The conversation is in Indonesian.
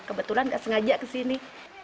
kebetulan nggak sengaja kesini